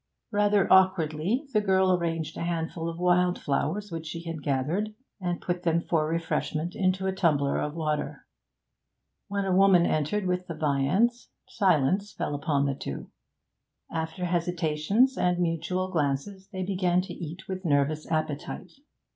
Rather awkwardly the girl arranged a handful of wild flowers which she had gathered, and put them for refreshment into a tumbler of water; when a woman entered with viands, silence fell upon the two; after hesitations and mutual glances, they began to eat with nervous appetite.